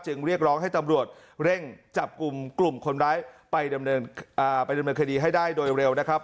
เรียกร้องให้ตำรวจเร่งจับกลุ่มกลุ่มคนร้ายไปดำเนินคดีให้ได้โดยเร็วนะครับ